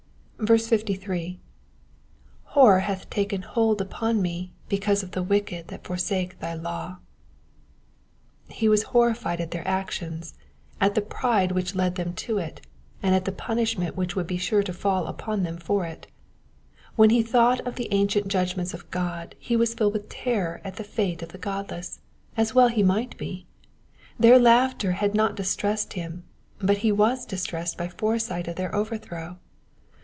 53. '''Horror hath taken hold vpon me "because of the wicked that fortdke thy law,^^ He was horrified at their action, at the pride which led them to it, and at the punishment which would be sure to fall upon them for it. When he thought upon the ancient judgments of God he was filled with terror at the fate of the godless ; as well he might be. Their laughter had not dis tressed him, but he was distressed by a foresight of their overthrow.